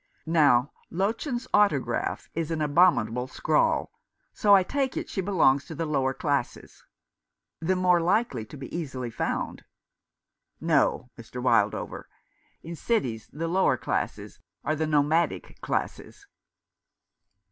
Now, Lottchen's autograph is an abominable scrawl, so I take it she belongs to the lower classes." " The more likely to be easily found." " No, Mr. Wildover ; in cities the lower classes are the nomadic classes."